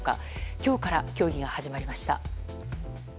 今日から協議が始まりました。